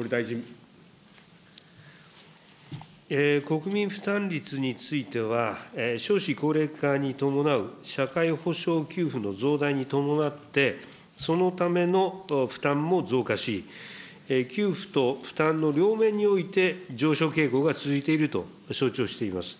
国民負担率については、少子高齢化に伴う社会保障給付の増大に伴って、そのための負担も増加し、給付と負担の両面において上昇傾向が続いていると承知をしております。